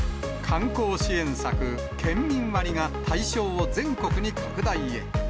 観光支援策、県民割が対象を全国に拡大へ。